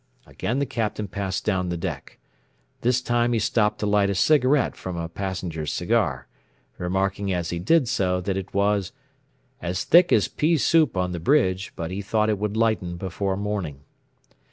Again the Captain passed down the deck. This time he stopped to light a cigarette from a passenger's cigar, remarking as he did so that it was "as thick as pea soup on the bridge, but he thought it would lighten before morning."